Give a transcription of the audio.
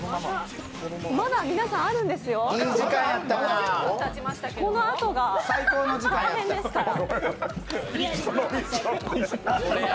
まだ皆さんあるんですよ、このあとが大変ですから。